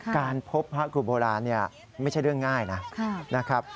การพบพระครูโบราณไม่ใช่เรื่องง่ายนะครับ